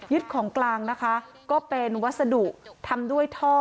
ยึดของกลางก็เป็นวัสดุทำด้วยท่อ